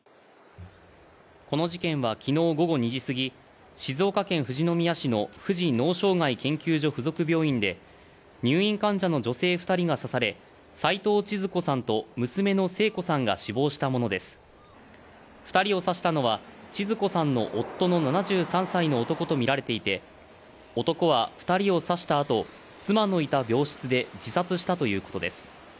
この事件は昨日午後２時過ぎ静岡県富士宮市の富士脳障害研究所附属病院で入院患者の女性二人が刺され齊藤ちづ子さんと娘の聖子さんが死亡したものです二人を刺したのはちづ子さんの夫の７３歳の男と見られていて男は二人を刺したあと妻のいた病室で自殺したということです